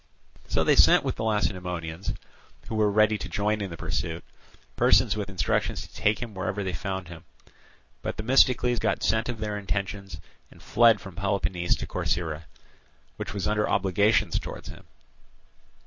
So they sent with the Lacedaemonians, who were ready to join in the pursuit, persons with instructions to take him wherever they found him. But Themistocles got scent of their intentions, and fled from Peloponnese to Corcyra, which was under obligations towards him.